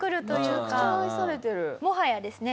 もはやですね